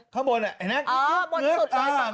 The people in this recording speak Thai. ข้างบนบนสุดเลยส่อมพอ